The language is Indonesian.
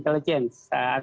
jadi kuncinya adalah pada